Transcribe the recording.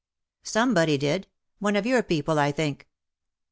" Somebody did — one of your people, I think."